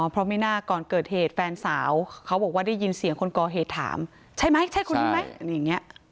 อ๋อเพราะไม่น่าก่อนเกิดเหตุแฟนสาวเขาบอกว่าได้ยินเสียงคนกอเหตุถามใช่มั้ยใช่คุณมั้ย